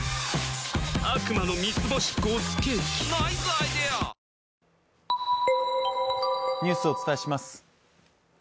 はいニュースをお伝えします